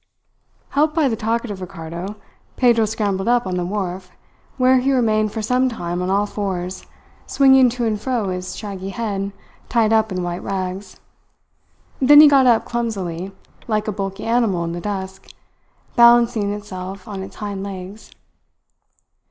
Helped by the talkative Ricardo, Pedro scrambled up on the wharf, where he remained for some time on all fours, swinging to and fro his shaggy head tied up in white rags. Then he got up clumsily, like a bulky animal in the dusk, balancing itself on its hind legs.